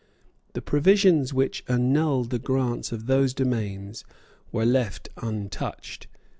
The provisions which annulled the grants of those domains were left untouched.